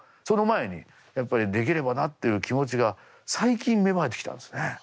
その前にやっぱりできればなっていう気持ちが最近芽生えてきたんですね。